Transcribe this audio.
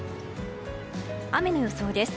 雨の予想です。